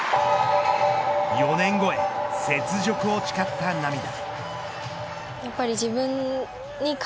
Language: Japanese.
４年後へ雪辱を誓った涙。